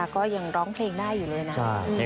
ก็ยังร้องเพลงได้อยู่เลยนะ